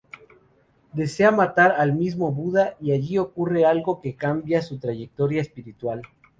Desea matar al mismo Buda y allí ocurre algo que cambia su trayectoria espiritual.